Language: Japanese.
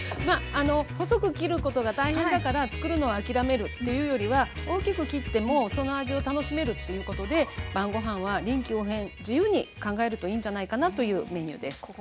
まあ細く切ることが大変だから作るのは諦めるというよりは大きく切ってもその味を楽しめるっていうことで晩ごはんは臨機応変自由に考えるといいんじゃないかなというメニューです。